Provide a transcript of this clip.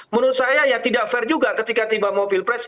menurut saya ya tidak fair juga ketika tiba mau pilpres